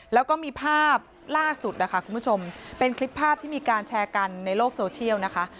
แล้วก็มีภาพล่าสุดนะคะคุณผู้ชมเป็นคลิปภาพที่มีการแชร์กันในโลกโซเชียลนะคะ